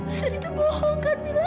suser itu bohong kan mila